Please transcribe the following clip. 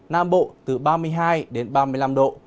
nam bộ từ ba mươi hai đến ba mươi năm độ